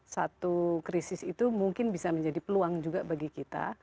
satu krisis itu mungkin bisa menjadi peluang juga bagi kita